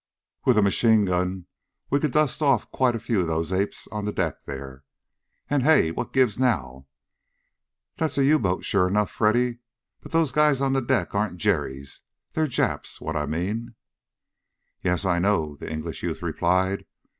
"With a machine gun we could dust off quite a few of those apes on the deck there. And Hey! What gives now? That's a U boat, sure enough, Freddy. But those guys on deck aren't Jerries. They're Japs, what I mean!" "Yes, I know," the English youth replied.